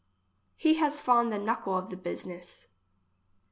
He has fond the knuckle of the business.